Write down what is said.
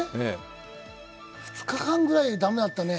２日間ぐらい駄目だったね。